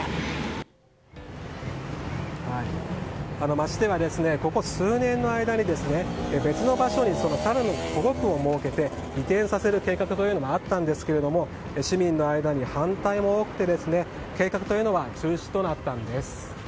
街では、ここ数年の間に別の場所にサルの保護区を設けて移転させる計画というのもあったのですが市民の間に反対も多くて計画というのは中止になったんです。